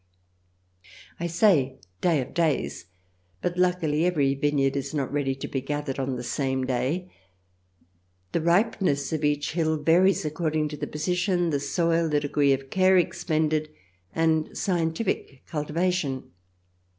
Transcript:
I say " day of days," but luckily every vineyard is not ready to be gathered on the same day. The ripeness of each hill varies according to the position, the soil, the degree of care expended, and scientific cultivation.